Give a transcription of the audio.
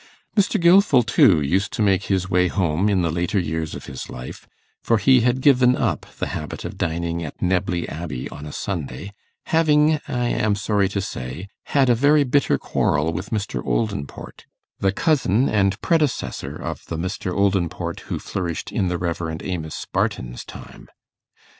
Mr. Gilfil, too, used to make his way home in the later years of his life, for he had given up the habit of dining at Knebley Abbey on a Sunday, having, I am sorry to say, had a very bitter quarrel with Mr. Oldinport, the cousin and predecessor of the Mr. Oldinport who flourished in the Rev. Amos Barton's time.